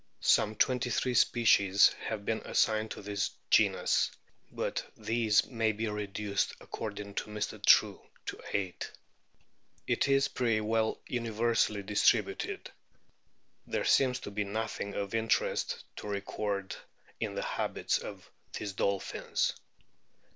Some twenty three species have been assigned to this genus ; but these may be reduced, according to Mr. True, to eio ht. It is o o pretty well universally distributed. There seems to be nothino of interest to record in the habits of o these dolphins.